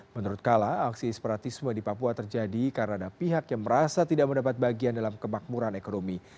menurut kala aksi isperatisme di papua terjadi karena ada pihak yang merasa tidak mendapat bagian dalam kemakmuran ekonomi